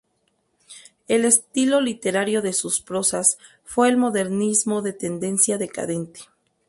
El estilo literario de sus prosas fue el modernismo de tendencia decadente.